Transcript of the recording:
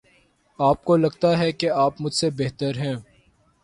آپ کو لگتا ہے کہ آپ مجھ سے بہتر ہیں۔